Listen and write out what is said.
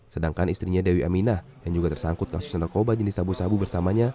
sedangkan istrinya dewi aminah yang juga tersangkut kasus narkoba jenis sabu sabu bersamanya